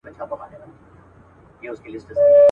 نه مي علم نه دولت سي ستنولای.